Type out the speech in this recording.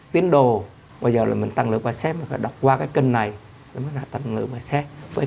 tiến đồ bây giờ là mình tăng lượng và xét và đọc qua cái kênh này nó là thành người mà xét với